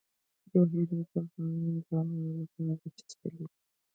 جواهرات د افغان ځوانانو لپاره دلچسپي لري.